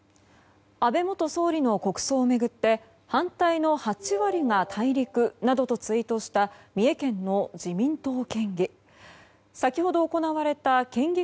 安倍元総理の国葬を巡って反対の８割が大陸などとツイートした三重県の自民党県議。